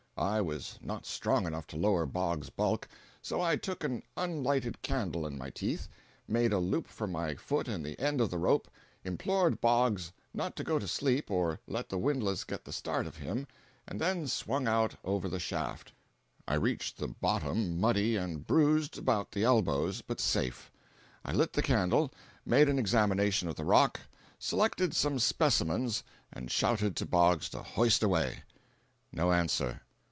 I was not strong enough to lower Boggs's bulk; so I took an unlighted candle in my teeth, made a loop for my foot in the end of the rope, implored Boggs not to go to sleep or let the windlass get the start of him, and then swung out over the shaft. I reached the bottom muddy and bruised about the elbows, but safe. I lit the candle, made an examination of the rock, selected some specimens and shouted to Boggs to hoist away. No answer.